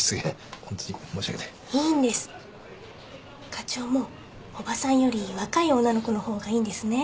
課長もおばさんより若い女の子の方がいいんですね？